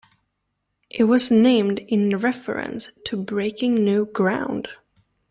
It was named in reference to breaking new ground.